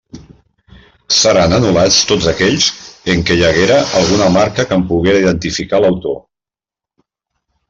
Seran anul·lats tots aquells en què hi haguera alguna marca que en poguera identificar l'autor.